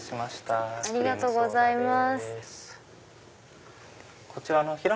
ありがとうございます。